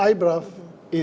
jadi ibraf akan berfungsi